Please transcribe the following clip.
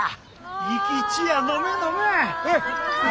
生き血や飲め飲め！